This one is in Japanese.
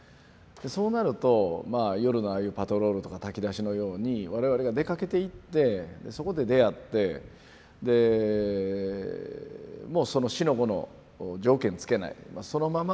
そうなると夜のああいうパトロールとか炊き出しのように我々が出かけていってそこで出会ってでもう四の五の条件つけないそのまま抱き留める。